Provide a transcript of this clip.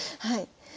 はい。